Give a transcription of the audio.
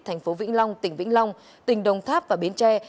thành phố vĩnh long tỉnh vĩnh long tỉnh đồng tháp và biến tre